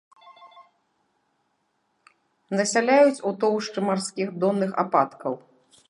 Насяляюць у тоўшчы марскіх донных ападкаў.